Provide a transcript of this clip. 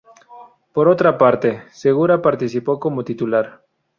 Por otra parte, Segura participó como titular.